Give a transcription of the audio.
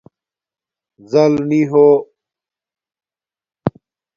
زَل نی ہو